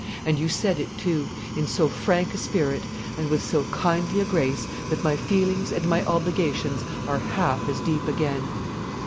And you said it, too, in so frank a spirit and with so kindly a grace that my feelings and my obligations are half as deep again.